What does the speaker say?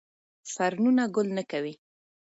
فرنونه ګل نه کوي